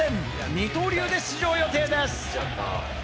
二刀流で出場予定です。